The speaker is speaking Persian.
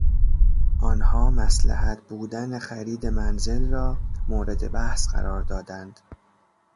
آنها مصلحت بودن خرید منزل را مورد بحث قرار دادند.